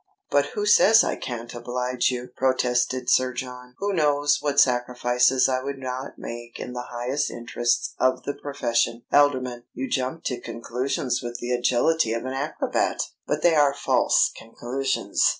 "But who says I can't oblige you?" protested Sir John. "Who knows what sacrifices I would not make in the highest interests of the profession? Alderman, you jump to conclusions with the agility of an acrobat, but they are false conclusions!